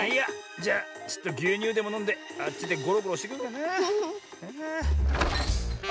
じゃちょっとぎゅうにゅうでものんであっちでごろごろしてくるかなあ。